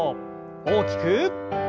大きく。